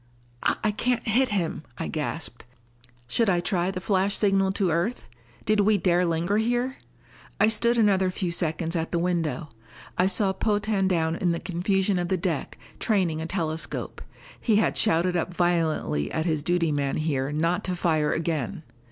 "I can't hit him," I gasped. Should I try the flash signal to Earth? Did we dare linger here? I stood another few seconds at the window. I saw Potan down in the confusion of the deck, training a telescope. He had shouted up violently at his duty man here not to fire again.